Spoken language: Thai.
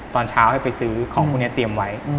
ตอนเช้าให้ไปซื้อของพวกนี้เตรียมไว้